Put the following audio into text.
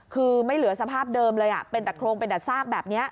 คือไม่เหลือสภาพเดิมเลยอ่ะเป็นตัดโครงเป็นตัดซากแบบเนี้ย